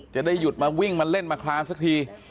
จะได้หยุดมาวิ่งมาเล่นมาคลานสักที